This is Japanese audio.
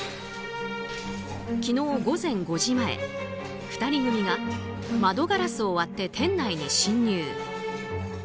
昨日午前５時前、２人組が窓ガラスを割って店内に侵入。